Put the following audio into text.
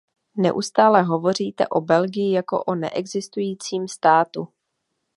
Neustále hovoříte o Belgii jako o neexistujícím státu.